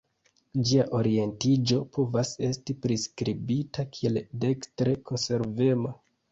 Ĝia orientiĝo povas esti priskribita kiel dekstre konservema.